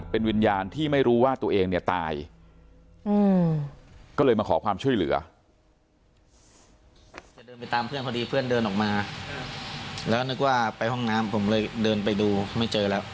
พอดีเพื่อนเดินออกมาแล้วนึกว่าไปห้องน้ำผมเลยเดินไปดูไม่เจอแล้ว